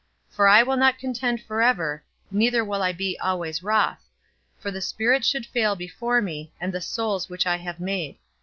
For I will not contend forever, neither will I be always wroth: for the spirit should fail before me, and the souls which I have made.